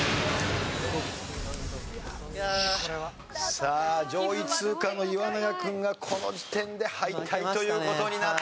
さあ上位通過の岩永君がこの時点で敗退という事になってしまいました。